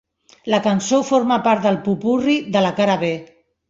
La cançó forma part del popurri de la cara B.